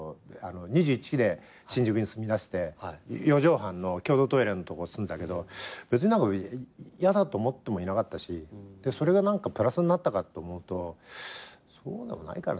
２１で新宿に住みだして４畳半の共同トイレのとこ住んでたけど別に嫌だと思ってもいなかったしそれが何かプラスになったかって思うとそうでもないからね。